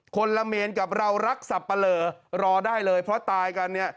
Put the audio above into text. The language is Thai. คนละเมนกับเรารักสับปะเหลอรอได้เลยเพราะตายกันเนี่ย